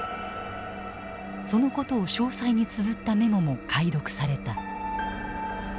そのことを詳細につづったメモも解読された。